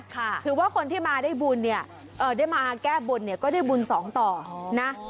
คือว่าคนที่มาได้บุญได้มาแก้บุญก็ได้บุญสองต่อนะ